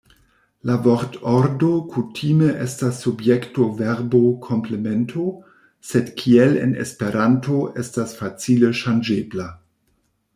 La vortordo kutime estas subjekto-verbo-komplemento, sed kiel en Esperanto estas facile ŝanĝebla.